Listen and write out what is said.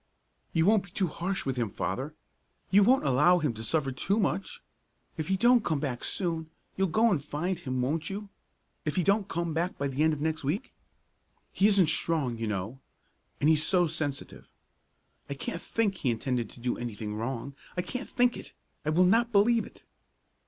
"You won't be too harsh with him, Father? You won't allow him to suffer too much? If he don't come back soon, you'll go and find him, won't you, if he don't come back by the end of next week? He isn't strong, you know, and he's so sensitive. And I can't think he intended to do anything wrong; I can't think it! I will not believe it!"